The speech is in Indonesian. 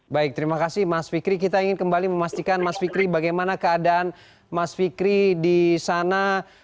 baik terima kasih mas fikri kita ingin kembali memastikan mas fikri bagaimana keadaan mas fikri di sana